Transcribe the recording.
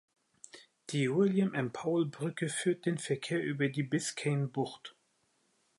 Die William-M.-Powell-Brücke führt den Verkehr über die Biscayne-Bucht.